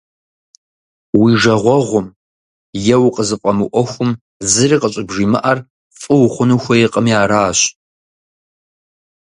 Уи жагъуэгъум, е укъызыфӀэмыӀуэхум зыри къыщӀыбжимыӀэр, фӀы ухъуну хуейкъыми аращ.